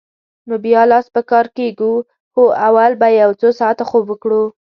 نو بیا لاس په کار کېږو؟ هو، اول به یو څو ساعته خوب وکړو.